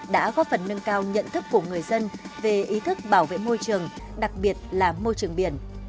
đã góp phần nâng cao nhận thức của người dân về ý thức bảo vệ môi trường đặc biệt là môi trường biển